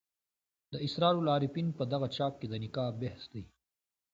د اسرار العارفین په دغه چاپ کې د نکاح بحث دی.